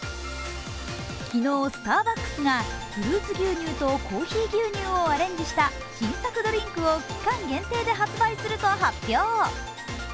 昨日、スターバックスがフルーツ牛乳とコーヒー牛乳をアレンジした新作ドリンクを期間限定で発売すると発表。